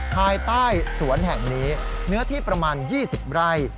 ภายใต้สวนแห่งนี้เนื้อที่ประมาณ๒๐ไร่